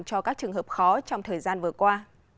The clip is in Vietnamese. cho các trường hợp khó trong thời gian vừa qua